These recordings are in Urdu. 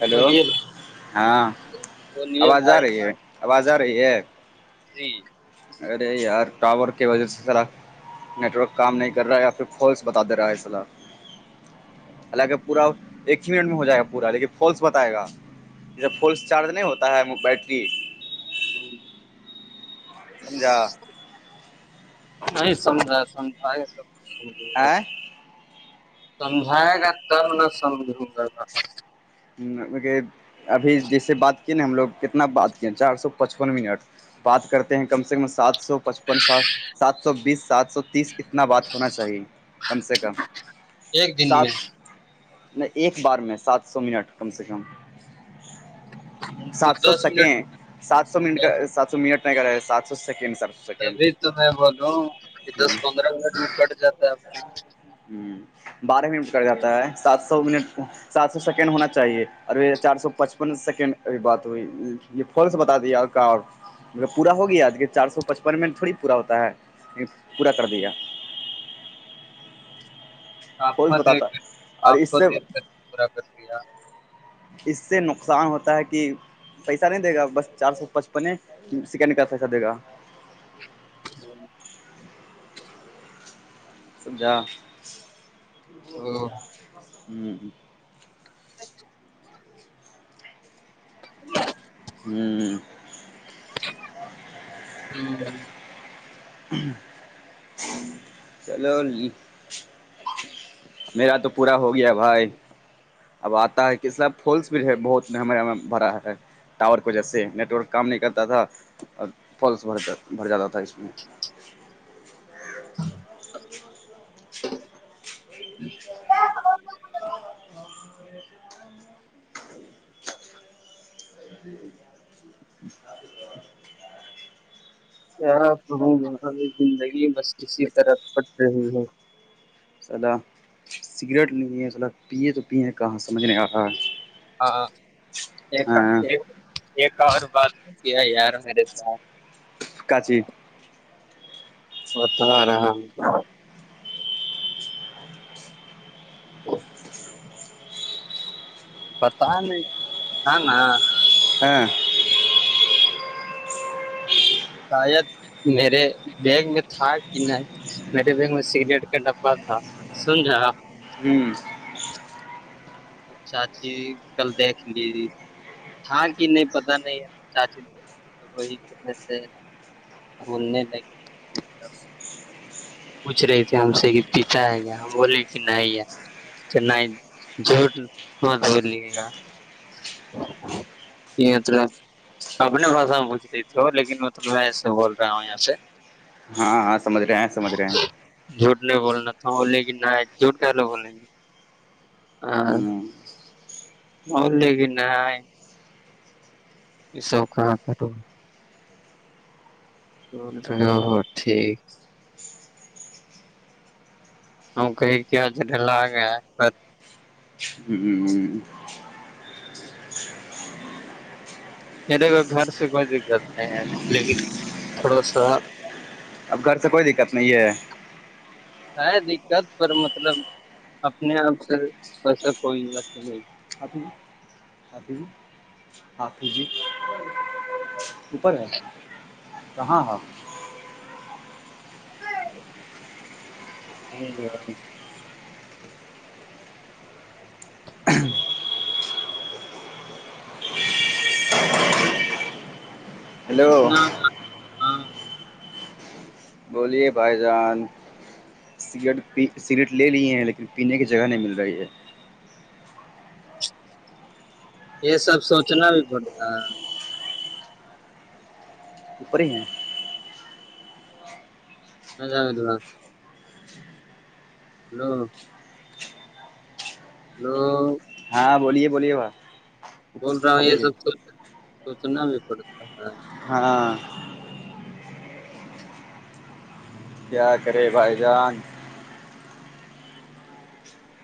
ہلو بولیے بھائی ہاں بولیے آواز آ بھائی رہی ہے آواز آ رہی ہے جی ارے یار ٹاور کی وجہ سے سرا نیٹ ورک کام نہیں کر رہا ہے یا پھر فس بتا دے رہا ہے صلاح حالانکہ پورا ایک ہی منٹ میں ہو جائے گا پورا لیکن فالس بتائے گا جب فلس چارج نہیں ہوتا ہے ہم بیٹری اور سمجھا نہیں سمجھ سمجھائے کب تو سمجھو گا سمجھائے گا تب نہ سمجھوں گا گ ابھی جیسے بات کی نا ہم لوگ کتنا بات کیے چار سو پچپن منٹ بات کرتے ہیں کم سے کم سات سو پچپن سات سو بیس سات سو تیس اتنا بات ہونا چاہیے کم سے کم ایک دن سات میں نہیں ایک بار میں سات سو منٹ کم سے کم تو سات سو دس منٹ سیکنڈ سات سو منٹ کا سات سو منٹ نہیں کر رہا سات سو سیکنڈ سر تبھی تو میں بولوں کہ دس پندرہ منٹ کٹ جاتا ہے اب ہ بارہ منٹ کر جاتا ہے سات سو منٹ سات سو سیکنڈ ہونا چاہیے اور چار سو پچپن سیکنڈ اھی بات ہوئی یہ فون سے بتا دییاے کہ مگر پورا ہو گیا آج کے چار سو پچپن میں تھوڑی پورا ہوتا ہے پورا کر دیا آپ فالس کو بتاتا دیکھ کر اور آپ اس کو سے دیکھ کر پورا کر دیا اس سے نقصان ہوتا ہے کہ پیسہ نہیں دے گا بس چار سو پچپنے سیکنڈ کا پیسہ دے گا [unintelligible] س جا ہ اچھا ہوں ہ چلو ہولی میرا تو پورا ہو گیا بھائی اب آتا ہے کہ سب پولس بھی ہے بہت ممے بھرا ہے ٹاور کو و جیس سے نیٹ ورک کام نہیں کرتا تھا اورس بھر جاتا تھا اس میں جی جی کیا کہوں میں ہماری زندگی بس کسی طرح پٹ رہی ہے صلا سگریٹ نہیں ہے صلا پیے تو پیئیں کہاں سمجھ نہیں آ رہا ہے ہاں ایک ہاں ایک اور بات کیا یار میرے ساتھ کاچی بت رہا ہاں بتا نہیں ہ ن ہاں شاید میرے بیگ میں تھا کہ نہیں میرے بیگ میں سگریٹ کا ڈبہ تھا سن رہا ہوں چاچی کل دیکھ لی تھا کہ نہیں پتا نہیں ہے چاچی وہی پھرنے سے بھولنے لگی پوچھ رہی تھی ہم سے کہ پیتا ہے گیا ہم بولے کہ نہیں کہ نہیں جٹ ب بول لیے گا یہ مطلب اپنے بھشا میں پوھ رہی تھی ہو لیکن میںطلب میں ایسے بول رہا ہوں یہاں سے ہاں ہاں سمجھ رہے ہیں سمجھ رہے ہیں جھوٹ نہیں بولنا تھا لےیک نہ جھوٹ ک لو بولیں گے ہاں ہ م لے گن آ یہ سب ک کر ٹھیک ہ کہئی کہ آج ڈ ل آ گیا ہوں یہ دیک کو گھر سے کوئی دقت نہیں ہے لیکن تھوڑا سا اب گھر سے کوئی دقت نہیں ہے ہے دقت پر مطلب اپنے آپ سے ویسا کوئی ب نہیں اب ابھی ہاں پ جی اوپر ہے کہاں ہ [unintelligible] ہیلو کتنا ہاں بولیے بھائی جان سٹ سگٹ لے لی ہیں لیکن پینے کی جگہ نہیں مل رہی ہے یہ سب سوچنا بھی پڑتا ہے اپری ہی ہیں ا جادوا ہلو ہو ہاں بولیے بولیے بائی بول رہا ہوں یہ سب سو سوچنا بھی پڑتا ہے [unintelligible] کیا کرے بھائی جان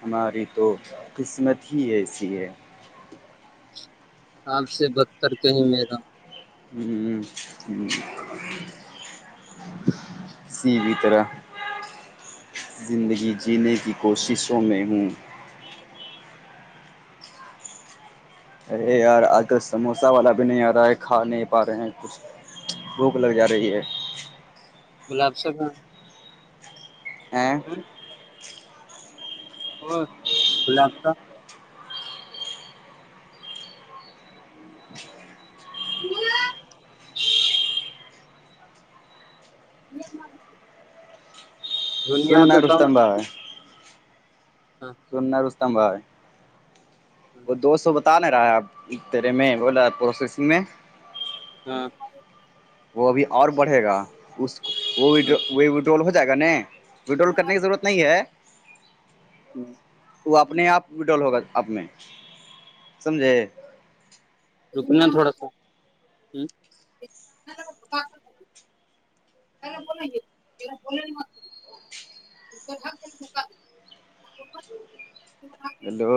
ہماری تو قسمت ہی ایسی ہے آپ سے بدتر کہیں میرا ہوں ہوں ہوں کسی بھی طرح زندگی جینے کی کوششوں میں ہوں ارے یار آج کل سموسا والا بھی نہیں آ رہا ہے کھا نہیں پا رہے ہیں کچھ بھوک لگ جا رہی ہے گلاب سبان [unintelligible] ا کلا آپ کا [unintelligible] س دنیا نائ تو ر تب استبا ہے ہاں سن ر استمبا ہے وہ دو سو بتا نہیں رہا ہے آپ تیرے میں بولا پروسیسنگ میں ہاں وہ ابھی اور بڑھے گا اس وہ بھی ہاں وہ وٹول ہو جائے گا نا وڈرول کرنے کی ضرورت نہیں ہے وہ اپنے آپ بڈول ہوگا آ میں سمجھے رکنا تھوڑا سا ہے کا بنے بولین مات [unintelligible] ہیلو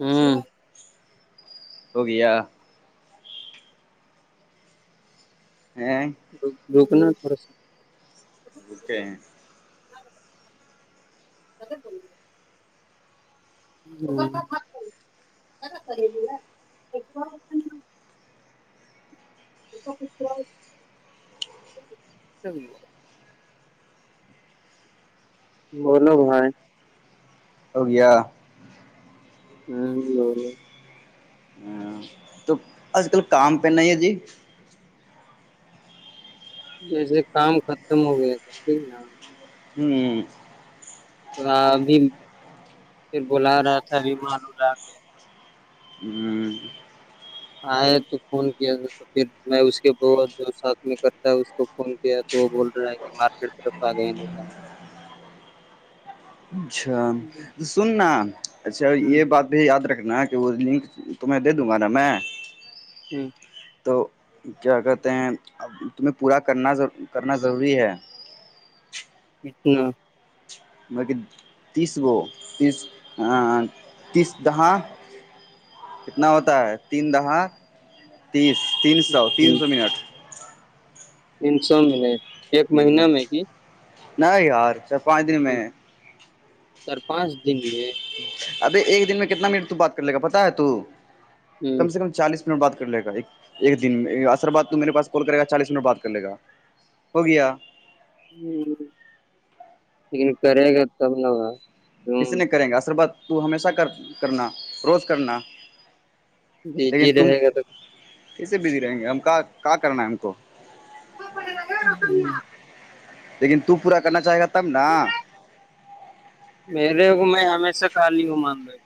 ہوں ہو گیا ہاں رکنا تھوڑا سا اکے ہیں سب چولے ا س تو بولو بھائی ہو گیا ہوں ہ تو آج کل کام پہ نہیں ہے جی جیسے کام ختم ہو گیا تھا ٹھیک نا ہوں اں ابھی پھر بلا رہا تھا ابھی معلوم آ گیا ہوں آ تو فون کیا تو پھر میں اس کے بت جو ساتھ میں کرتا ہے اس کو فون کیا تو وہ بول رہا ہے کہ مارکیٹ طرف آ گئے نہیں جی اچھا سننا اچھا یہ ہ بات بھی یاد رکھنا کہ وہ لنک تمہیں دے دوں گا نا میں ہوں تو کیا کہتے ہیں اب تمہیں پورا کرنار کرنا ضروری ہے اچھنا بق تیس گو تیس تیس دہاں کتنا ہوتا ہے تین دہا تیس تین سو تین ہ سو منٹ تین سو منٹ ایک ہ مہینہ میں کہ ن یار چ پانچ دن میں سر پانچ دن میں ابھی ایک دن میں کتنا منٹ تو بات کر لے گا پتا ہے تو ہ کم سے کم چالیس منٹ بات کر لے گا ایک دن میں ار بد تو میرے پاس کال کرے گا چالیس منٹ بات کر لے گا ہو گیا ہاں لیکن کرے گا تب نہگا کسی نے کریں گا عصر بات تو ہمیشہ کر کرنا روز کرنا جی جی لیکن تم رہے گا تو کیسے بزی رہیں گے ہم کا کرنا ہے ہم کو لیکن تو پورا کرنا چاہے گا تب نا میرے کو میں ہمیش سے خالی ہ مان رہی ہے ہ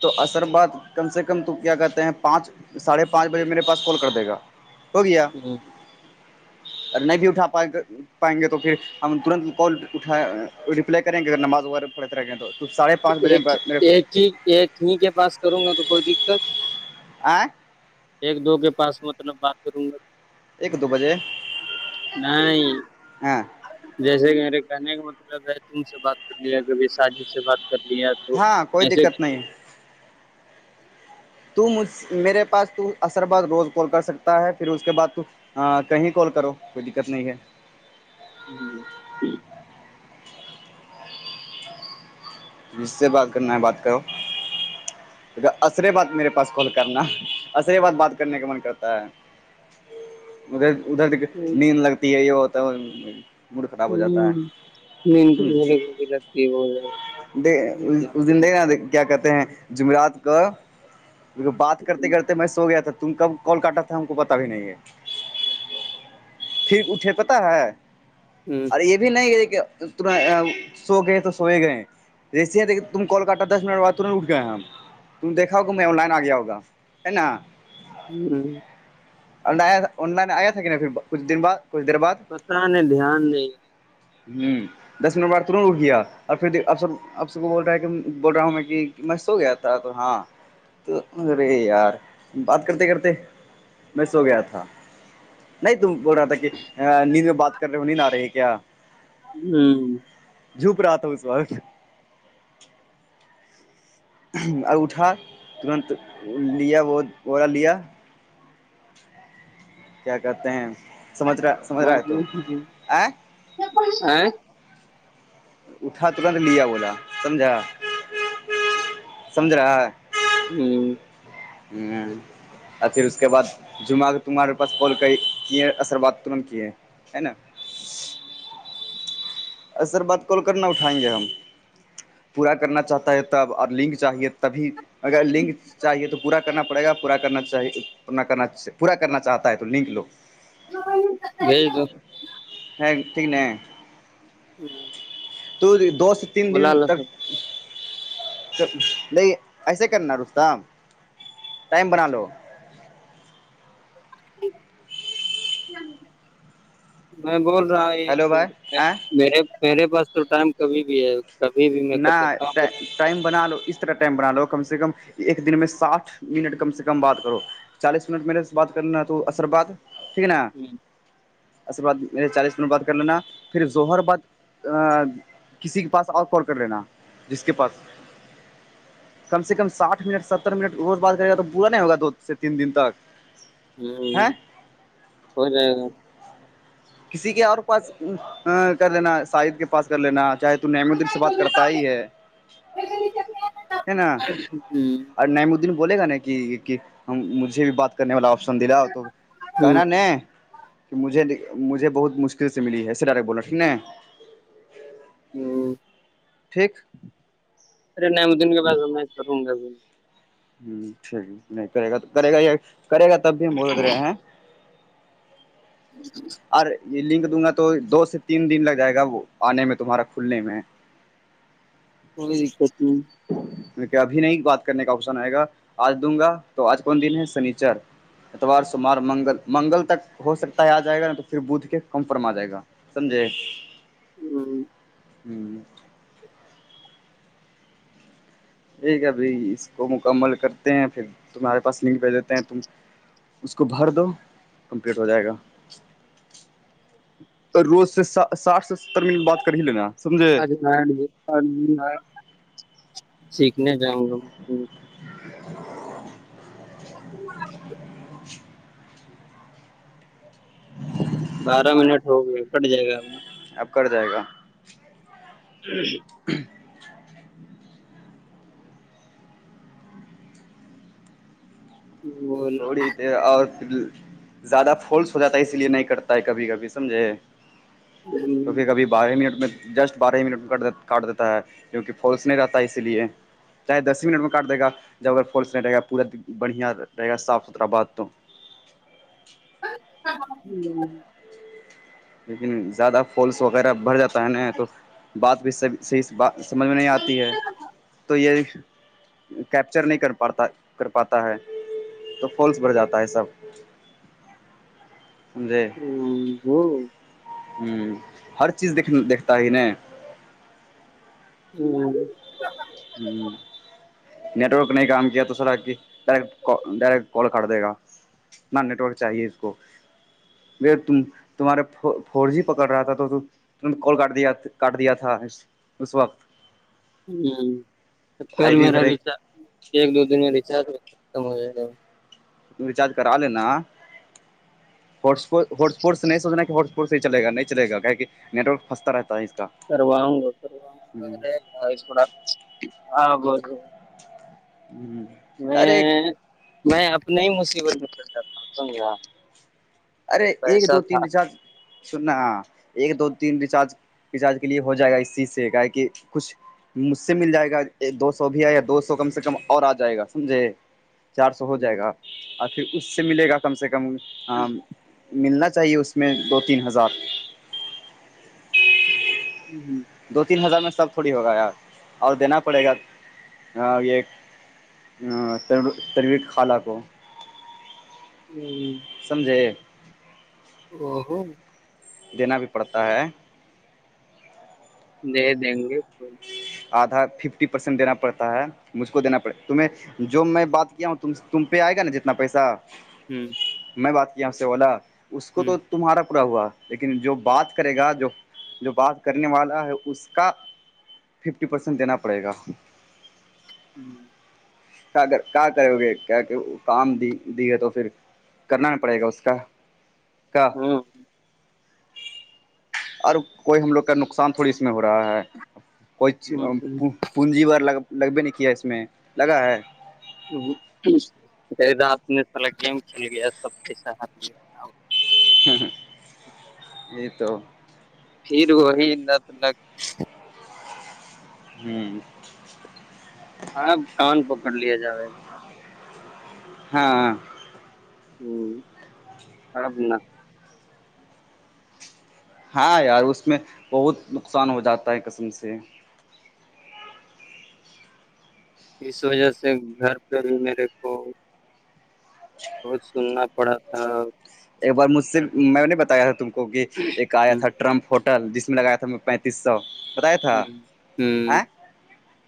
تو عصر بعد کم سے کم تو کیا کہتے ہیں پانچ ساڑھے پانچ بجے میرے پاس کال کر دے گا ہو گیا اور نہیں بھی اٹھا پائے پائیں گے تو پھر ہم ترنت کال اٹھ ریپلائی کریں گے اگر نماز وغیرہ پڑھتے رہکھیں تو سارے ایک ہی ایک ہی ایک ہی کے پاس کروں گا تو کوئی دقت آئ ایک دو کے پاس مطلب بات کروں گا ایک دو بجے نہیں ہاں جیسے کہ میرے کہنے کا مطلب ہے تم سے بات کر لیا کبھی ساجد سے بات کر لیا تو ہاں کوئی ایسے دقت نہیں تو مجھ میرے پاس تو عصر بد روز کال کر سکتا ہے پھر اس کے بعد تو ہاں کہیں کال کرو کوئی دقت نہیں ہے جی جس سے بات کرنا ہے بات کرو اصرے بات میرے پاس کال کرنا عصرے بات بات کرنے کا من کرتا ہے ادھر ادھر نیند لگتی ہے یہ وہ تو ہوں مو بھی لگتی ب دیک اس دن دیکھناا کیا کہتے ہیں جمعرات کا بات کرتے کیا کرتے میں سو گیا تھا تم کب کال کاٹا ہم کو پتا بھی نہیں ہے پھر اٹھے پتا ہے ہوں ارے یہ بھی نہیں یہ کہ ت سو گئے تو سوئے گئے جیسیےیک تم کال کرتا دس منٹ بد تمہیں اٹ گئے ہم تم دیکھاؤگے میں آن لائن آ گیا ہوؤگا ہے نا ہ اورن آنائن آیا سکن پھر کچھ دن بع کچھ دیر بد پترہ نہیں دھیان نہیں ہ دس منٹ بعد ترنت رک گیا اور پھر اب سب اب سب کو بول رہا ہے کہ بول رہا ہوں میں کہ میں سو گیا تھا تو ہاں تو ارے یار بات کرتے کرتے میں سو گیا تھا نہیں تم بول رہا تھا کہ نیند میں بات کر رہے ہو نیند آ رہی ہے کیا ہوں جھوپ رہا تھا اس وقت [inaudible] اور اٹا ترنت لیا وہ با لیا [inaudible] کیا کہتے ہیں سمت رہا ہ سمجھ رہا ہے ہ تو ہ ہ آ کیاس [inaudible] اٹھا ترت لیا بولا سمجھ رہا سمجھ رہا [inaudible] ہوں ہوں اور پھر اس کے بعد جمعہ تمہارے پاس کال کر کیے اثر بات تورنت کی ہے نا ا سر بات کال کرنا اٹھائیں گے ہم پورا کرنا چاہتا ہے تب اور لنک چاہیے تبھی اگر لنک چاہیے تو پورا کرنا پڑے گا پورا کرنا چاہیےورنا کرنا پورا کرنا چاہتا ہے تو لنک لو بھی ہ ٹھیک نہیں ہوں تو دو سے تین دن تک نہیں ایسے کرنا رستتا ٹائم بنا لو میں بول رہا ہیلو یہ بھائی آ میرے میرے پاس تو ٹائم کبھی بھی ہے کبھی بھی میں نہ کر سکتا ہوں ت پر [inaudible] ٹائم بنا لو اس طرح ٹائم بنا لو کم سے کم ایک دن میں ساٹھ منٹ کم سے کم بات کرو چالیس منٹ میرے سے بات کرنا تو عرباد ٹھیک ہے نا ہوں اص بعد میرے چالیس منٹ بعد کر لینا پھر ظہر بد کسی کے پاس اور کال کر لینا جس کے پاس کم سے کم سٹھ منٹ ستر منٹ روز بات کرے گا تو پا نہیں ہوگا دو سے تین دن تک ہوں ہیں ہو جائے گا کسی کے اور پاس کر لینا شاہد کے پاس کر لینا چاہے تو نمدن سے بات کرتا ہی ہے ہے نا ہ اور نعیم الدین بولے گا نا کہ کہ ہم مجھے بھی بات کرنے والا آپشن دلا تو ہ کہنا نے کہ مجھے مجھے بہت مشکل سے ملی ہے سر ڈر بول رہنا ٹھیک ن ہوں ٹھیک ارے نم دن کے بعد میں کروں گا ہ ٹھیک نہیں کرے گا تو کرے گا یہ کرے گا تب بھی ہم بولت رہے ہیں اور یہ لنک دوں گا تو دو سے تین دن لگ جائے گا وہ آنے میں تمہارا کھلنے میں کوئی دقت نہیں کی ابھی نہیں بات کرنے کا آپشن آئے گا آج دوں گا تو آج کون دن ہے شنیچر اتوار سمار منگل منگل تک ہو سکتا ہے آ جائے گا نا تو پھر بدھ کے کمفرم آ جائے گا سمجے ہاں ہوں ٹھیک ہے ابھی اس کو مکمل کرتے ہیں پھر تمہارے پاس لنک بھی دیتے ہیں ت اس کو بھر دو کمپلیٹ ہو جائے گا روز سے ساٹھ سے ستر منٹ بات کر ہی لینا سمجھے آج سیکھنے جاوںں گا خش بارہ منٹ ہو گئے کٹ جائے گا اپنا اب کر جائے گا ج وہ چوڑی تھے اور پھر زیادہ فولس ہو جاتا ہے اسی لیے نہیں کرتا ہے کبھی کبھی سمجھے تو پھر کبھی بارہ منٹ میں جسٹ بارہ منٹ میں کاٹ دیتا ہے جوک فولس نہیں رہتا ہے اسی لیے چاہے دس ہی منٹ میں کاٹ دے گا جب اگر فالس نہیں رہے گا پورا بڑھیا رہے گا صاف ستھرا بات تو جی لیکن زیادہ فالس وغیرہ بھرھ جاتا ہے نہیں تو بعد بھی سب صحیح بات سمجھ میں نہیں آتی ہے تو یہ کیپچر نہیں کر پاتا کر پاتا ہے تو فالس بھر جاتا ہے سب سمھے ہ ہ ہوں ہر چیز د دیکھتا ہے ن ہ ہوں نیٹ ورک نہیں کام کیا تو سرا کہ ڈائرٹ ڈائریکٹ کال کر دے گا نہ نیٹ ورک چاہیے اس کو م تم تمہارے فور جی پکڑ رہا تھا تو ت نے کال کاٹ دیا کاٹ دیا تھا اس وقت ہ کل فائیو جی میرا ریچارج ایک دو دن میں ریچارج ختم ہو جائے گا ریچارج کرا آ ل نا ہپورٹ سے نہیں سونا کہ ہسپورٹ سے ہیلے گا نہیںلے گا کہ نیٹ ورک پھنتا رہتا ہے اس کا کرواؤں گا کرواؤں ہ گاے گ تھوڑا ہاں ب ہوں میں میں اپنے ہی مصیبت میں چل جاتا ہوں س ارے ایک دو تین چار سننا ایک دو تین ریچارج ریچارج کے لیے ہو جائے گا اس چیز سے کا کہ کچھ مجھ سے مل جائے گا ایک دو سو بھی ہے یا دو سو کم سے کم اور آ جائے گا سمجھے چار سو ہو جائے گا اور پھر اس سے ملے گا کم سے کم ملنا چاہیے اس میں دو تین ہزار ہ ہوں دو تین ہزار میں سب تھوڑی ہوگا یار اور دینا پڑے گا یہ تروی خالہ کو سمجھے او ہوو دینا بھی پڑتا ہے دے دیں گے کو آدھا ففٹی پرسینٹ دینا پڑتا ہے مجھ کو دینا پڑتا تمہیں جو میں بات کیا ہوں تم پہ آئے گا نا جتنا پیسہ ہوں میں بات کیا آپ سے اولا اس کو تو تمہارا پورا ہوا لیکن جو بات کرے گا جو جو بات کرنے والا ہے اس کا ففٹی پرسینٹ دینا پڑے گا ہوں کرو گے کیا کہ کام دی دی ہے تو پھر کرنا ن پڑے گا اس کا کہ ہاں اور کوئی ہم لوگ کا نقصان تھوڑی اس میں ہو رہا ہے کوئی ہوں ہوں پونجی بار لگ لگبے نہیں کیا ہے اس میں لگا ہے پ نے س گیم کھیل لیا سب کے س یہ تو پھر وہی لت لگ ہوں ہاں کان پکڑ لیا جاو ہاںاں ہوں سبنا ہاں یار اس میں بہت نقصان ہو جاتا ہے قسم سے اس وجہ سے گھر پہ بھی میرے کو بہت سننا پڑا تھا اور ایک بار مجھ سے میں نے بتایا تھا تم کو کہ ایک آیا ہوں تھا ٹرمپ ہوٹل جس میں لگایا تھا میں پین یس سو بتایا تھا ہوں ہوں ا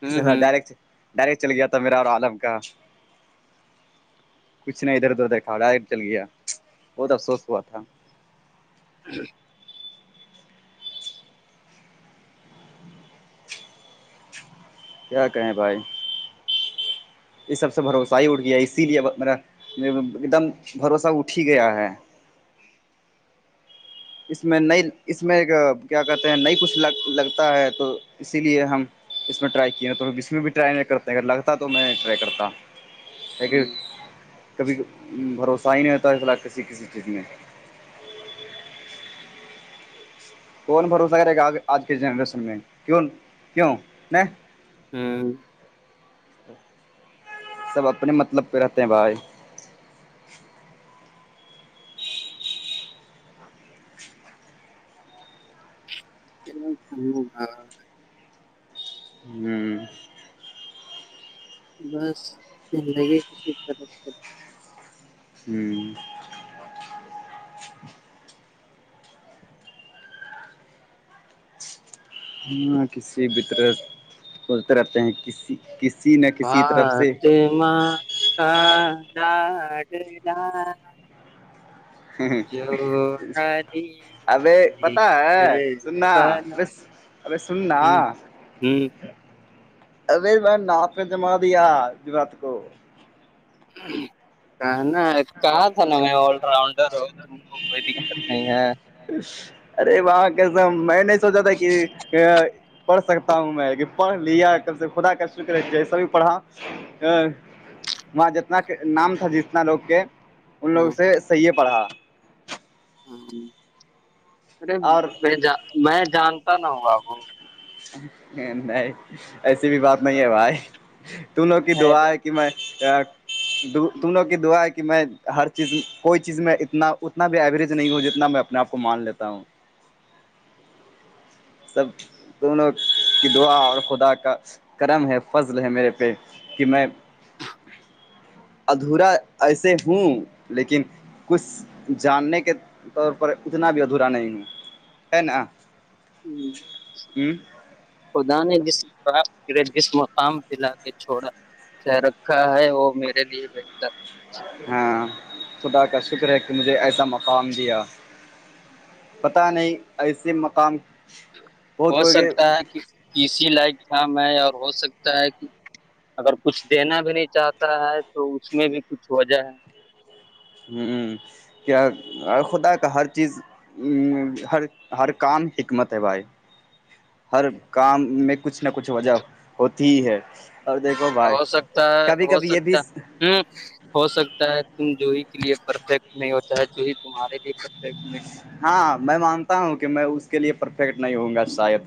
ہوں ہوں ڈرٹ ڈائریکٹ چل گیا تھا میرا اور عالم کا کچھ نہیں ادھر ادھر دیکھا رہا ہے چل گیا بہت افسوس ہوا تھا جی کیا کہیں بھائی یہ سب سے بھروسہ ہی اٹ گیا اسی لیے ما ایک دم بھروسہ اٹھ ہی گیا ہے اس میں ن اس میں کیا کہتے ہیں نئی کچھ لگ لگتا ہے تو اسی لیے ہم اس میں ٹرائی کیے ن تو ہم اس میں بھی ٹرائی نہیں کرتے ہیں اگر لگتا تو میں ٹرائی کرتا ہوں کبھی بھروسہ ہی نہیں ہوتا ہے ف الح کسی کسی چیز میں کون بھروسہ کرے گ آج کے جنریشن میں کی کیوں ن ہاں سب اپنے مطلب پہ رہتے ہیں بھائی ہوگا [unintelligible] ھم [unintelligible] ہوں بس زندگی کسی طرح سے ہوں ہ کسی بھی طرح بولتے رہتے ہیں کسی کسی نہ کسی طرف سے ماں کا لڈلہ علی ابے کے پتا ہے گھر سننا پر ارے سنا ہوں ہوں ارے میں نا پہ جما دیا ج بات کو [unintelligible] کہنا کہا تھا نا میں آل راؤنڈر ہ تم کو کوئی دقت نہیں ہے ارے وہاں کیسا میں نہیں سوچا تھا کہ پڑ سکتا ہوں میں کہ پھ لیا کب سے خدا کا شکر ہے جیسے بھی پڑھا ا وہاں جتنا نام تھا ج اتنا لوگ کہ ان لوگوں ہوں سے صحیح پڑھا ہ ارے اور میں میں جانتا نہ ہوں بابو نہیں ایسی بھی بات نہیں ہے بھائی تونوں کی دعا ہے کہ میں تونوں کی دعا ہے کہ میں ہر چیز کوئی چیز میں اتنا اتنا بھی ایوریج نہیں ہو جتنا میں اپنے آپ کو مان لیتا ہوں سب دونوں کی دعا اور خدا کا کرم ہے فضل ہے میرے پہ کہ میں ادھورا ایسے ہوں لیکن کچھ جاننے کے طور پر اتنا بھی ادھورا نہیں ہوں ہے نا ہوں ہ خدا نے جسپ کرے جس مقام پ لا کے چھوڑا سے رکھا ہے وہ میرے لیے بہتر ہاں خدا کا شکر ہے کہ مجھے ایسا مقام دیا پتہ نہیں ایسے مقام ہو بہت کوئی سکتا ہے کہ اسی لائق ٹام ہے اور ہو سکتا ہے کہ اگر کچھ دینا بھی نہیں چاہتا ہے تو اس میں بھی کچھ وجہ ہے ہ کیا اور خدا کا ہر چیز ہر ہر کام حکمت ہے بھائی ہر کام میں کچھ نہ کچھ وجہ ہوتی ہی ہے اور دیکھو بھائی کبھی کبھی یہ بھی ہوں ہو سکتا ہے تم جو ہی کے لیے پرفیکٹ نہیں ہوتا ہے جو ہی تمہارے لیے پرفیکٹ نہیں ہاں میں مانتا ہوں کہ میں اس کے لیے پرفیکٹ نہیں ہوں گا شاید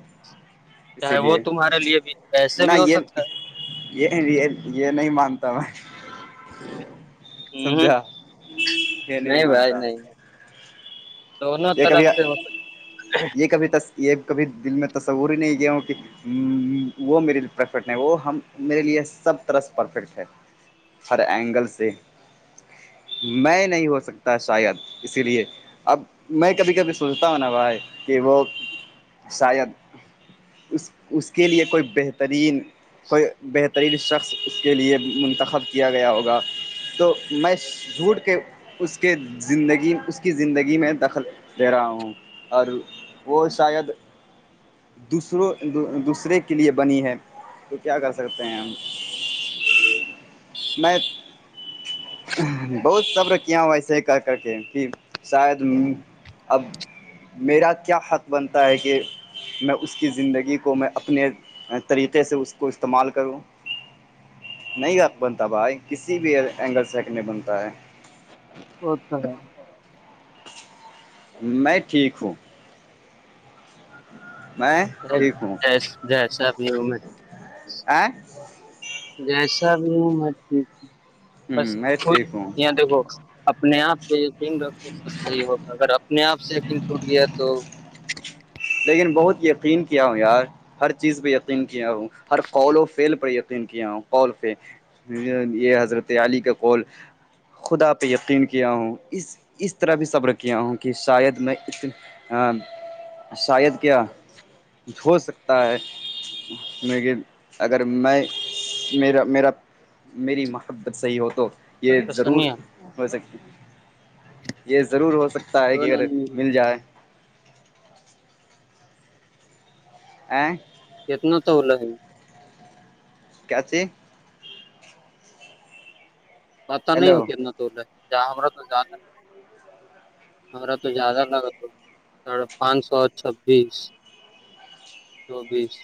ہوتا اسی ہے وہ لیے تمہارے لیے بھی ایسے نہ بھی ہو یہ سکتا یہ یہ یہ نہیں مانتا میں ہے ہ سمجھا یہ نہیں بھائی مانتا نہیں دونوں یہ کبھی طرف سے ہو یہ کبھی یہ کبھی دل میں تصور ہی نہیں گیا ہوں کہ ہ وہ میرے لی پرفیکٹ نہیں وہ ہم میرے لیے سب طرح پرفیکٹ ہے ہر اینگل سے میں نہیں ہو سکتا شاید اسی لیے اب میں کبھی کبھی سوچتا ہوں نا بھائی کہ وہ شاید اس اس کے لیے کوئی بہترین کوئی بہترین شخص اس کے لیے منتخب کیا گیا ہوگا تو میں جھوٹ کے اس کے زندگی اس کی زندگی میں دخل دے رہا ہوں اور وہ شاید دوسروں دوسرے کے لیے بنی ہے تو کیا کر سکتے ہیں ہم میں بہت صبر کیا ہو ایسے ہی کر کر کے کہ شاید اب میرا کیا حق بنتا ہے کہ میں اس کی زندگی کو میں اپنے طریقے سے اس کو استعمال کروں نہیں بنتا بھائی کسی بھی اینگل سے نہیں بنتا ہے اھ میں ٹھیک ہوں میں ٹھیک ہوں جس جیس صاحب یہ ا میں ا جیسا بھی ہوں میں ٹھیک بس میں خود ٹھیک ہوں دیکھو اپنی اپنے آپ پہ یقین رکھو سب صحیح ہوگا اگر اپنے آپ سے یقین ٹوٹ گیا تو لیکن بہت یقین کیا ہوں یار ہر چیز پہ یقین کیا ہوں ہر قول و فیل پہ یقین کیا ہوں قول ف یہ حضرت علی کا کول خدا پہ یقین کیا ہوں اس اس طرح بھی سب رکھ ہوں کہ شاید میں ات شاید کیا ہوھ سکتا ہے میکے اگر میں میرا میرا میری محبت صحیح ہو تو یہ تو ضرور سنیا ہو سکتی یہ ضرور ہو سکتا ہے کہ اگر مل جائے آ کتنا تو ل کیاچ [unintelligible] پتہ نہیں ہو ہیلو کتنا توور رہا ج ہما تو جانا ہے [unintelligible] ہمارا تو زیادہ لگا تو ساڑھے پانچ سو چھبیس چوبیس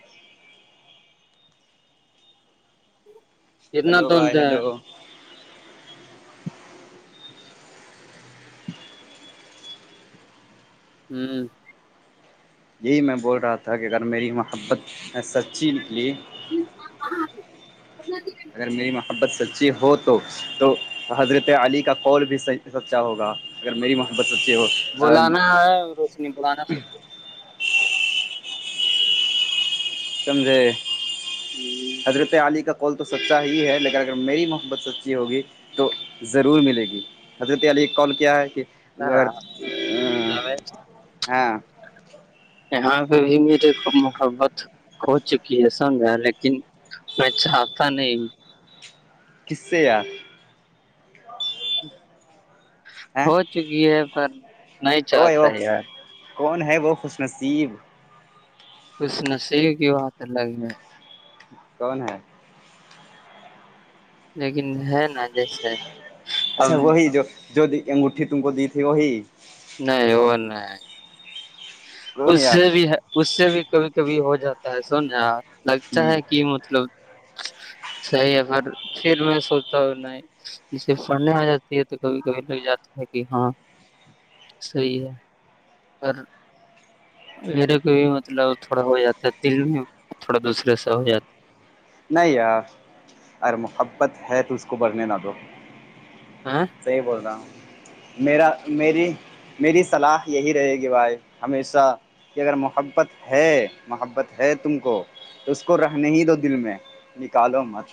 کتنا ہلو بھائی تولتے ہیں ہلو ہوں یہی میں بول رہا تھا کہ اگر میری محبت میں سچی نکلی [inaudible] [unintelligible] اگر میری محبت سچی ہو تو تو تو حضرت علی کا کول بھی سچا ہوگا اگر میری محبت سچی ہو بلانا ہے روشنی بلانا ہے سب کچھ مے ادر آلی کپ [unintelligible] کال تو سچا ہی ہے لیکن اگر میری محبت سچی ہوگی تو ضرور ملے گی حضرت علی کال کیا ہے کہ ا ہاں یہاں پہ بھی میرے محبت ہو چکی ہے سمجھ ہے لیکن میں چاہتا نہیں کسے [unintelligible] ہ ہو چکی ہے پر نہیں کو چاہتا وہ یار کون ہے وہ خوش نصیب خش نہ سےیگ کی ہواتر لگے کون ہے لیکن ہے ن اچھا وہی جو جو انگوٹھی تم کو دی تھی وہی نہیں ہو نہیں کون اس یار سے بھی ہے اس سے بھی کبھی کبھی ہو جاتا ہے سون رہا لگتا ہ ہے کہ مطلب صحیح ہے پر پھر میں سوچتا ہوں نہیں جسے پڑھنے آ جاتے ہے تو کبھی کبھی لگ جاتا ہے کہ ہاں صحیح ہے اور [unintelligible] میرے کا بھی مطلب تھوڑا ہو جاتا ہے دل میں تھوڑا دوسرے سے ہو جاتا نہیں یار ار محبت ہے تو اس کو بھرنے نہ دو آاں [unintelligible] صحی بول رہا ہوں میرا میری میری صلاح یہی رہے گی بھائی ہمیشہ کہ اگر محبت ہے محبت ہے تم کو تو اس کو رہنے ہی دو دل میں نکالو مت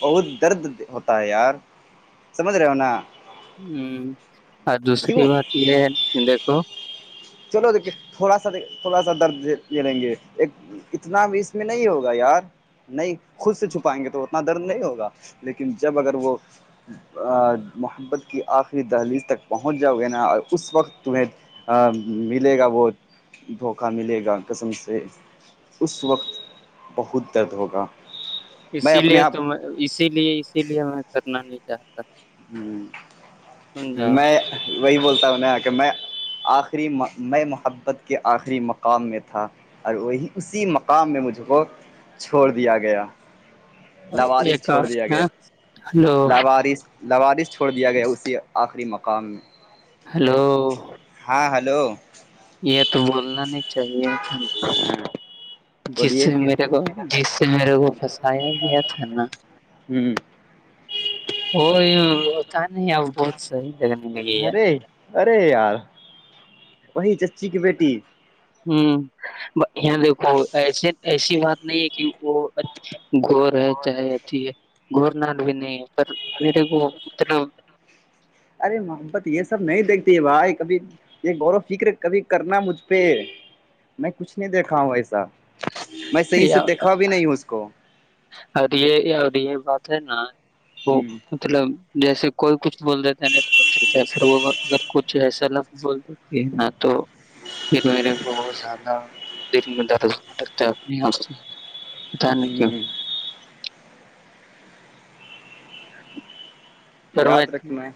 بہت درد ہوتا ہے یار سمجھ رہے ہو نا ہوں اور دوسری کیوں بات یہ ہے دیکھو چلو دیکھیے تھوڑا سا د تھوڑا سا درد لے لیں گے ایک اتنا بھی اس میں نہیں ہوگا یار نہیں خود سے چھپائیں گے تو نا درد نہیں ہوگا لیکن جب اگر وہ محبت کی آخری دہلیز تک پہنچ جاؤ گے نا اور اس وقت تمہیں ا ملے گا وہ دھوکا ملے گا قسم سے اس وقت بہت درد ہوگا میں اسی اپنے لیے آپ تو میں اسی لیے اسی لیے میں کرنا نہیں چاہتا ہ سمجھا میں وہی بولتاوں یہ کہ میں آخری میں محبت کے آخری مقام میں تھا اور وہی اسی مقام میں مجھ کو چھوڑ دیا گیا لوارس ایک چھوڑ اور- دیا گیا ہاں، ہلو لوارس سوارس چھوڑ دیا گیا اسی آخری مقام میں ہیلو ہاں ہلو یہ تو بولنا نہیں چاہیے جس بولیے سے میرے کو جس میرے کو پھسایا گیا تھا نا ہوں وہ ات نہیں اب بہت صحیح لگنے لگے ار ارے ارے یار وہی چچی کے ہوں یہ دیکھو ایسے ایسی بات نہیں ہے کہ وہ گور ہے چاہے اتیھی ہے گور نال بھی نہیں ہے پر میرے کو مطلب ارے محبت یہ سب نہیں دیکھتی ہے بھائی کبھی یہ غور و فکر کبھی کرنا مجھ پہ میں کچھ نہیں دیکھا ہوں ایسا میں صحیح سے یا دیکھا بھی نہیں ہوں اس کو اور یہ اور یہ بات ہے نا وہ ہ مطلب جیسے کوئی کچھ بول دیتے ہیں نا تا ہے پھر وہ اگر کچھ ایسا لفظ بول دیتی ہے نا تو پ میرے بہت زیادہ دل میں درد ہونے لگتا ہے اپنے یہاں سے دان نہیں کیوں ہ [inaudible] پر میں یاد رکھنا ہے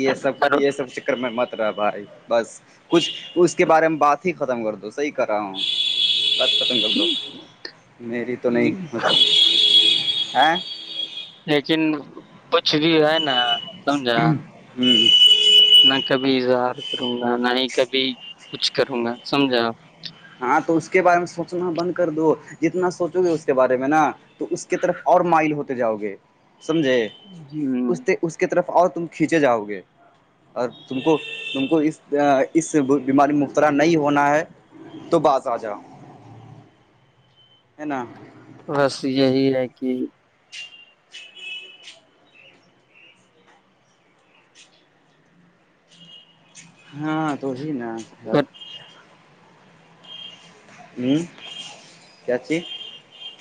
یہ سب پر یہ سب میں مت رہا بھائی بس کچھ اس کے بارے میں بات ہی کر ختم کر دو صحی کر رہا ہوں ب پت میری تو نہیں م لیکن کچھ بھی ہے نا سمجھا ہوں نہ کبھی اظہار کروں گا نہ ہی کبھی کچھ کروں گا سمجھاپ ہاں تو اس کے بارے میں سوچنا بند کر دو جتنا سوچو گے اس کے بارے میں نا تو اس کی طرف اور مائل ہوتے جاؤ گے سمجھے ہوں اس اس کی طرف اور تم کھینچے جاؤ گے اور تم کو تم کو اس اس سے بیماری میں مبتلا نہیں ہونا ہے تو باس آ جاؤ ہے ن بس یہی ہے کہ ہاں تو ہی نا س پر ہوں کیاچھی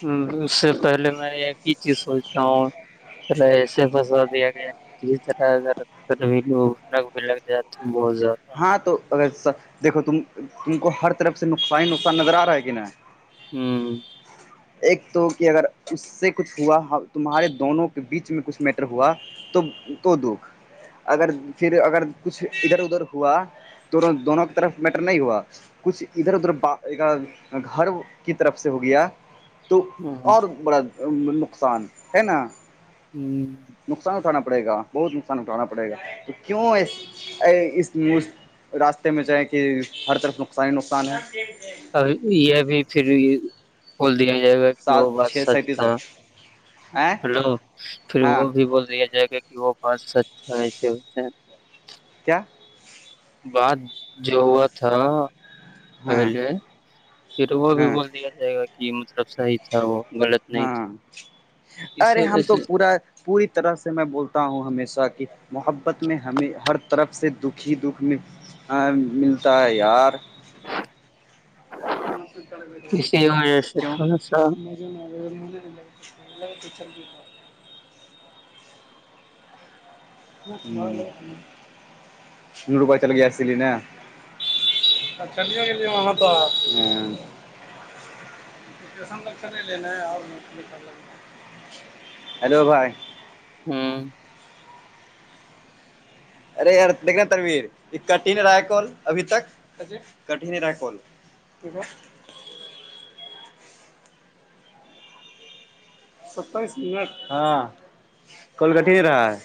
ہ اس سے پہلے میں ایک ہی چیز سوچتا ہوں چل ایسے بسا دیا گیا کسی طرح اگر ک بھی لگ جائے تو بہت زیادہ تو اگر دیکھو تم تم کو ہر طرف سے نقصانی نقصان نظر آ رہا ہے کہ نہ ہوں ایک تو کہ اگر اس سے کچھ ہوا تمہارے دونوں کے بیچ میں کچھ میٹر ہوا تو تو دکھ اگر پھر اگر کچھ ادھر ادھر ہوا تو دونوں کی طرف میٹر نہیں ہوا کچھ ادھر ادھر گھر کی طرف سے ہو گیا تو ہوں اور بڑا نقصان ہے نا ہوں نقصان اٹھانا پڑے گا بہت نقصان اٹھانا پڑے گا تو کیوں اس راستے میں جائے کہ ہر طرف نقصانی نقصان ہے ا یہ بھی پھر کھول دیا جائے گا وہ سات بات چھ سچ سینتیس تھا سو ا ہلو پھر ہاں وہ بھی بول دیا جائے گا کہ وہ بس سچاس اس سے کیا بات جو ہوا تھا نا ہاں پہلے پھر وہ بھی ہاں بول دیا جائے گا کہ مطلب صحیح تھا وہ غلط نہیں ہاں تھا اس ارے ہم وجہ تو سے پورا پوری طرح سے میں بولتا ہوں ہمیشہ کہ محبت میں ہمیں ہر طرف سے دکھی دکھ میں ملتا ہے یار اسی وجہ سے کیوں تھوڑا سا [unintelligible] ت [unintelligible] ہ نڈو پ چل گیس لی نا [unintelligible] چلیے گیے وہاں تو ہ ہیلو بھائی ہاں ارے یار دیک ترویر یہ کٹین رہا ہے کون ابھی تک کٹھین ہی دا کول ٹھیک ہے ستائیس منٹ ہےاں کولکٹ ہی رہا ہے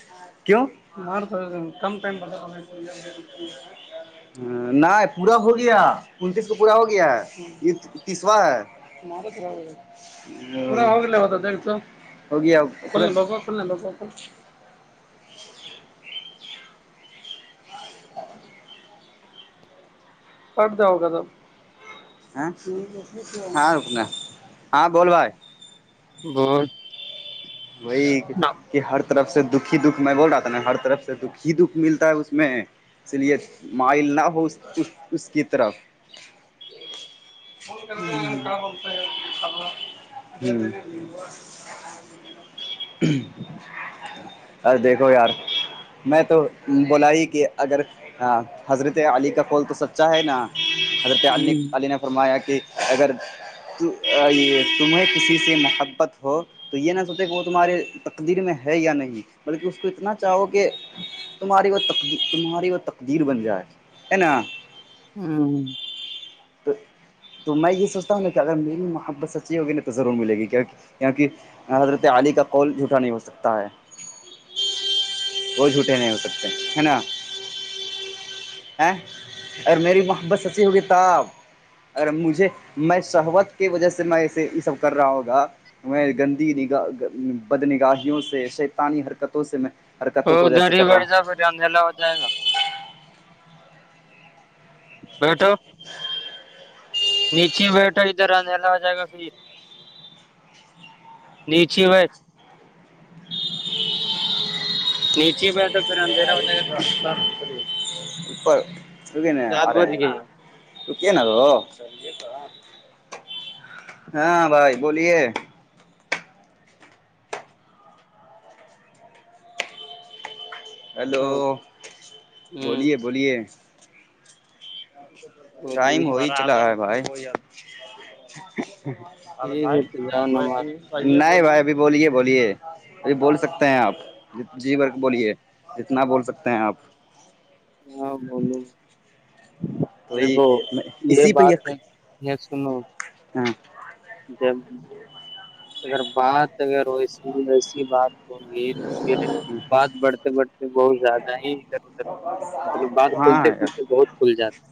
کیوں ک ٹ [unintelligible] ج [unintelligible] ہ نہیں پورا ہو گیا انتیس کو پورا ہو گیا ہے یہ تیسوا ہے مارا ہوگل ہوت [unintelligible] ڈڑھ سو ہو گیا ک با ک با [unintelligible] ا [unintelligible] پٹ دو ہو کا تو ہاں رکنا ہاں بول بھائی ب [unintelligible] وہی [unintelligible] کہ ہر طرف سے دکھھی دکھ میں بول رہا تھا نا ہر طرف سے دک ہی دکھ ملتا ہے اس میں اس لیے مائل نہ ہو اس اس کی طرف ف کرتے ہوں بولتا ہے [unintelligible] اس دیکھو یار میں تو بولا ہی کہ اگر حضرت علی کا کول تو سب چاہے نا حضرت علی ہوں علی نے فرمایا کہ اگر تمہیں کسی سے محبت ہو تو یہ نہ سوچ وہ تمہارے تقدیر میں ہے یا نہیں بلکہ اس کو اتنا چاہو کہ تمہاری وہ ت تمہاری وہ تقدیر بن جائے ہے نا ہاں [unintelligible] تو [unintelligible] [unintelligible] تو میں یہ سوچتا ہوں نا کہ اگر میری محبت سچی ہوگی نا تو ضرور ملے گی کیک کیونکہ حضرت علی کا کال جھوٹا نہیں ہو سکتا ہے کوئی جھوٹے نہیں ہو سکتے ہے نا [unintelligible] [unintelligible] ا ارے میری محبت سچی ہوگی تب اگر مجھے میں سہوت کی وجہ سے میںے یہ سب کر رہا ہوگا میں گندی نگاہ بد نگاہیوں سے شیطانی حرکتوں سے میں او حرکتوں کو ادھر وجہسے ہی کر رہا بیٹھ [unintelligible] جا [unintelligible] پھر اندھیلا ہو جائے گا [unintelligible] [unintelligible] بیٹھو نیچے بیٹھو ادھر انلا ہو جائے گا پھر [unintelligible] [unintelligible] نیچی ب [unintelligible] [unintelligible] نیچ ہی بیٹھا سرے اندھیرا [unintelligible] [unintelligible] پڑھائیں گے اپر ش کہنے آ سات رہے بج ہیں گیا [unintelligible] [unintelligible] تو کیا نا تو ہاں بھائی بولیے [unintelligible] [unintelligible] ہیلو او ہوں بولیے بولیے ٹائم بولیے ہوئی چلا ہے بھائی ہلو ٹھیک بھائی ہے تو جاؤ نماز نہیں پڑھو۔ بھائی ابھی بولیے بولیے اھی بول سکتے ہیں آپ جی ورک بولیے جتنا بول سکتے ہیں آپ ہاں بو لو تو وہی دکھو یہ اسی پہ بات ہے یہ سنو ہاں جب اگر بات و س ایسی بات ہووں گی تو پھر بات بڑھتے بڑھتے بہت زیادہ ہی ادھر ادھر مطلب بعد کھلتے ہاں کھلتے بہت کھل جاتا ہے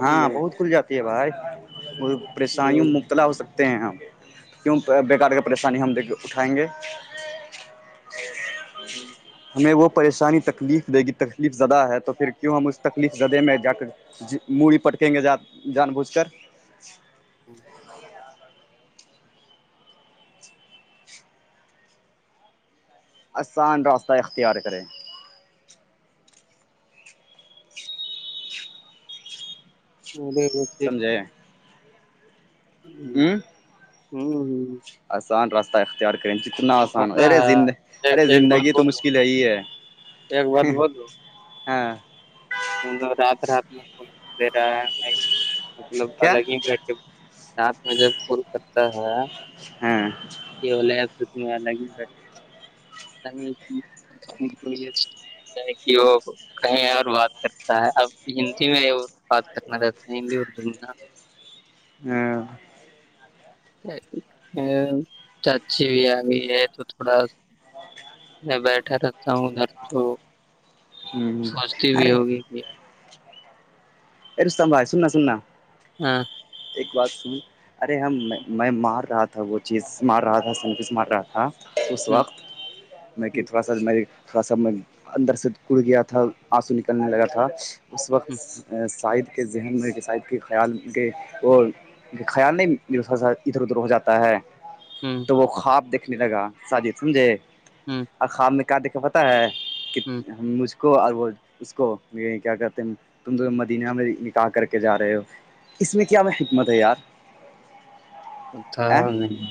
ہاں سمجھے بہت کھل جاتی ہے بھائی یہ ہو پریشانیوں جاتا متلا ہو سکتے ہیں ہم کیوں بکار کا پریشانی ہم د اٹھائیں گے ہوں [unintelligible] ہمیں وہ پریشانی تکلیف دے گی تکلیف زدہ ہے تو پھر کیوں ہم ا اس تکلیف زدہ میں جا کر جی موڑی پٹکیں گے جان جان بوجھ کر ہ [unintelligible] آسان راستہ اختیار کری ہ ب [unintelligible] سمجھےیں ہوں ہ [unintelligible] آسان راستہ اختیار کریں جتنا اب آسان ہو پتا ارےند ہے ایک ارے ایک بات زندگی تو بولوں مشکل ہے ہی ہے ایک بات بولو ہاں رات رات میں کول کر دے رہا ہے نہیں مطلب کیا الگ ہی بیٹھ کے [unintelligible] ساتھ میں جب کل کرتا ہے ہاں یہ ہو تو تمیں الگ ہی بیٹھ [unintelligible] کو یہتا کہ وہ کہیں اور بات [unintelligible] کرتا ہے اب ہندی میں بات کرنا رہتا ہے ہندی اردو میں ن [unintelligible] ہاں [unintelligible] ا چچچ بھی آگی ہیں تو تھوڑا [unintelligible] میں بیٹھا رہتا ہوں ادھر تو [unintelligible] ہ سوچتی بھی ہوگی کہ [unintelligible] ا رشتم بھائی سننا سننا ہاں ایک بات سو ارے ہم میں مار رہا تھا وہ چیز مار رہا تھا سروس مار رہا تھا اس وقت میں کہ تھوڑا سا م تھوڑا سا میں اندر سے گڑ گیا تھا آنسو نکلنے لگا تھا اس وقت سائد کے ذہن میں کہ سائد کے خیال کے اور خیال نہیں میر ادھر ادھر ہو جاتا ہے تو وہ خواب دیکھنے لگا ساجد سمجھے اور خواب میں کیا دیکھا پ ہے کہ مجھ کو اور وہ اس کو کیا کہتے ہیں تم تو مدینہ میں نکا کر کے جا رہے ہو اس میں کیا میں حکمت ہے یار ا تھا نہیں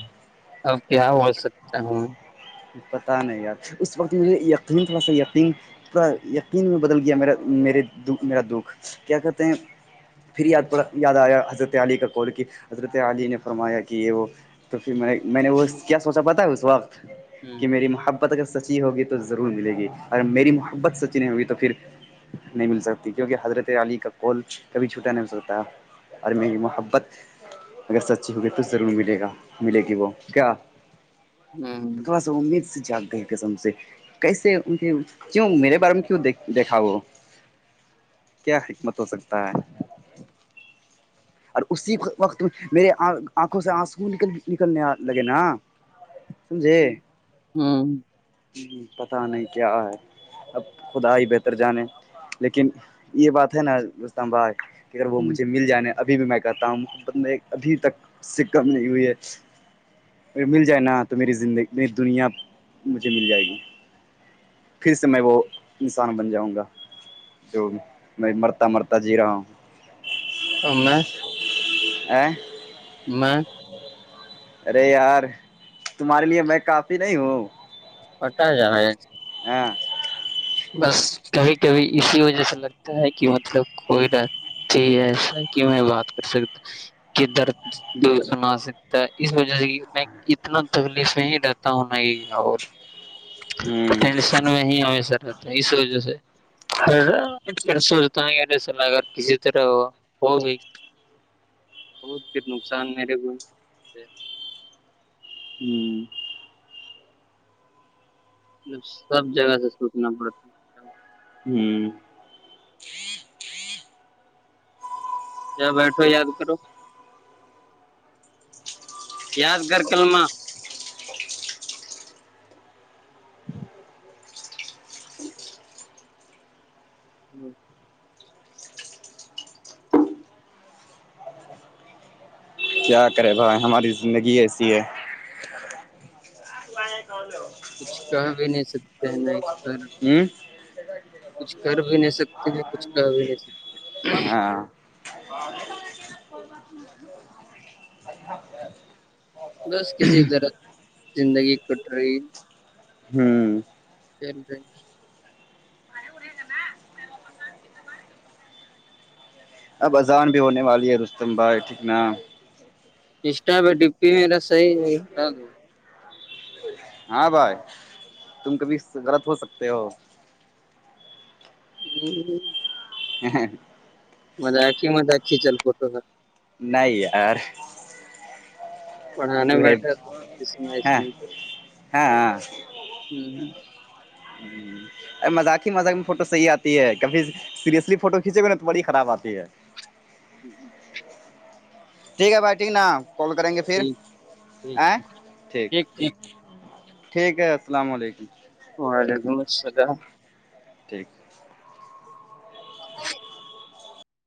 اب کیا بول سکتا ہوں پتہ نہیں یار اس وقت مجھے یقین تھوڑا سا یقین پورا یقین میں بدل گیا میرا میرے دکھ میرا دکھ کیا کہتے ہیں پھر یاد پڑا یاد آیا حضرت علی کا کال کی حضرت عاللی نے فرمایا کہ یہ وہ تو پھر میں نے میں نے وہ کیا سوچا پتا ہے اس وقت ہ کہ میری محبت اگر سچی ہوگی تو ضرور ملے گی اور میری محبت سچی نہیں ہوگی تو پھر نہیں مل سکتی کیونکہ حضرت علی کا کال کبھی چھوٹا نہیں ہو سکتا اور میری محبت اگر سچی ہوگی تو ضرور ملے گا ملے گی وہ کیا ہاں س امید سے جاگ گئے قسم سے کیسے ان کے کیوں میرے بارے میں کیوں د دیکھا وہ کیا حکمت ہو سکتا ہے اور اسی وقت میرے آنکھوں سے آنسو نکل نکلنے لگے نا سمھے ہ ہ پتا نہیں کیا ہے اب خدا ہی بہتر جانے لیکن یہ بات ہے نا اسلام آباد کہ اگر وہ مجھے مل جانےا ابھی بھی میں کہتا ہوں محبت میں ابھی تک سے کم نہیں ہوئی ہے ا مل جائے نا تو میری زندگی میری دنیا مجھے مل جائے گی پھر سے میں وہ انسان بن جاؤں گا جو میں مرتا مرتا جی رہا ہوں ا میں آ میں ارے یار تمہارے لیے میں کافی نہیں ہوں پٹا جا ہاں بس کبھی کبھی اسی وجہ سے لگتا ہے کہ مطلب کوئی رہ ی ایسا کہ میں بات کر سکتا کدھر دست سنا سکتا اس وجہ سے میں اتنا تکلیف میں ہی رہتا ہوں نئی اور [inaudible] ہوں ٹینشن میں ہی ہ سر رہتا اس وجہ سے ر سوتاس ال اگر کسی طرح ہوگ بہت پھر نقصان میرے کوئی ہوں مطلب سب جگہ سے سوتنا پڑتا ہے ہوں ج بیٹھو یاد کرو یاد کر کللم ہی کیا کرے بھائی ہماری زندگی ایسی ہے ار آ کو ج ک ل کچھ کہ بھی نہیں سکتے ہیں نا اس طار ہوں [inaudible] کچھ کر بھی نہیں سکتے ہیں کچھ کر بھی نہیں سکتے ہاں [inaudible] [inaudible] بس کسی ذرا زندگی کٹ رہی ہوں ا اب اذان بھی ہونے والی ہے رستم بھائی ٹھیک ن اسٹا پہ ڈپی میرا صح ہے ہٹا دو ہاں بھائی تم کبھی غلط ہو سکتے ہو ہ [inaudible] مطا ا کی مت اچ کھی چل فوٹو کا نہیں ار پڑھانے بیٹھا تھا میں ہاں ہاں ہ ہ ا مذاق ہی مذاق میں فوٹو صحیح آتی ہے کبھی سیریسلی فوٹو کھینچے گے نا تو بڑی خراب آتی ہے ہوں ٹھیک ہے بھائی ٹھیک نا کال کریں گے پھر ٹھیک ٹھیک آئیں ٹھیک ٹھیک ہے السلام علیکم وعلیکم السلام ٹھیک ا